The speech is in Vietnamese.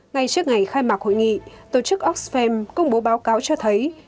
ngay trước ngày khai mạc hội nghị tổ chức oxfam công bố báo cáo cho thấy